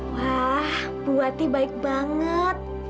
wah bu ati baik banget